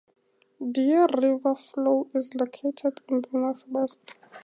Deer River Flow is located in the northwest.